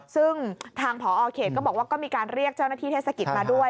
ซึ่งทางผอเขตก็บอกว่าก็มีการเรียกเจ้าหน้าที่เทศกิจมาด้วย